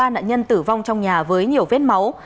ba nạn nhân tử vong trong nhà với nhiều vết máu